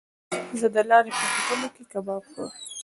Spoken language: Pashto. زه د لارې په هوټلو کې کباب خورم.